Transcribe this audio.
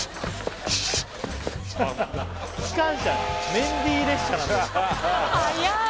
メンディー列車なんだ